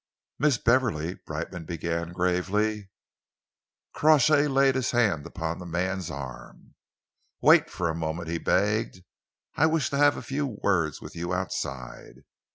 "Miss Beverley," Brightman began gravely, Crawshay laid his hand upon the man's arm. "Wait for a moment," he begged. "I wish to have a few words with you outside.